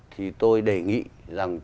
thì tôi đề nghị rằng